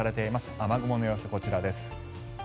雨雲の様子、こちらです。